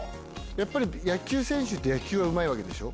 やっぱり野球選手って野球はうまいわけでしょ。